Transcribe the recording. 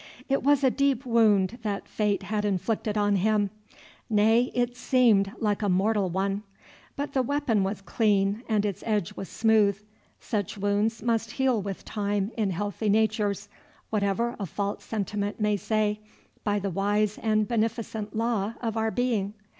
It was a deep wound that Fate had inflicted on him; nay, it seemed like a mortal one; but the weapon was clean, and its edge was smooth. Such wounds must heal with time in healthy natures, whatever a false sentiment may say, by the wise and beneficent law of our being.